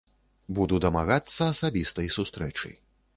Буду дамагацца асабістай сустрэчы.